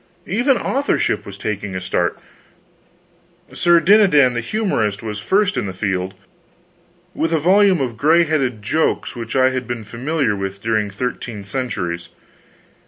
Even authorship was taking a start; Sir Dinadan the Humorist was first in the field, with a volume of gray headed jokes which I had been familiar with during thirteen centuries.